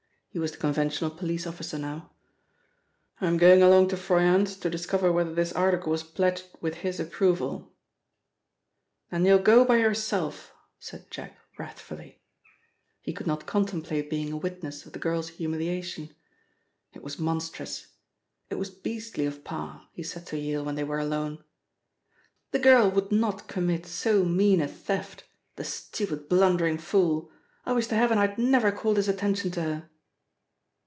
He was the conventional police officer now. "I'm going along to Froyant's to discover whether this article was pledged with his approval." "Then you'll go by yourself," said Jack wrathfully. He could not contemplate being a witness of the girl's humiliation. It was monstrous. It was beastly of Parr, he said to Yale when they were alone. "The girl would not commit so mean a theft, the stupid, blundering fool! I wish to heaven I had never called his attention to her."